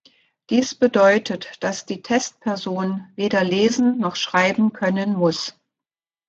Dies bedeutet, dass die Testperson weder lesen noch schreiben können muss.